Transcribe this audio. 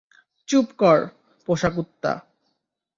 চুপ কর, পোষা কুত্তা।